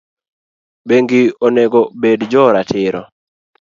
bengi onego bed jo ratiro.